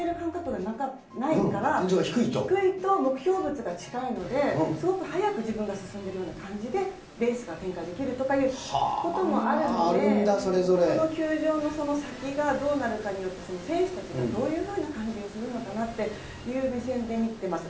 低いと目標物が近いので、すごく速く自分が進んでるような感じでレースが展開できるということもあるので、この球場の先がどうなるかによって、選手たちがどういうふうな感じがするのかなっていう感じの目線で見てます。